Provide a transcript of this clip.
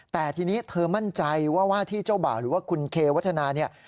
แต่ทีนี้เธอมั่นใจว่าว่าที่เจ้าบ่าวหรือว่าคุณเควัฒนาเนี่ย